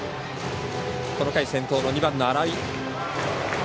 この回、先頭の２番の新井。